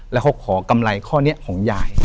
แล้วเขาขอกำไรข้อนี้ของยาย